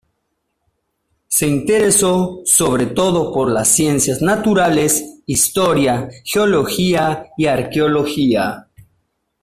Se interesó sobre todo por las ciencias naturales, historia, geología y arqueología.